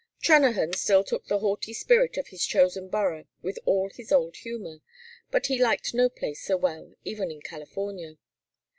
Trennahan still took the haughty spirit of his chosen borough with all his old humor, but he liked no place so well, even in California.